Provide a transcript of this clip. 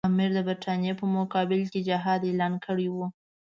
امیر د برټانیې په مقابل کې جهاد اعلان کړی وو.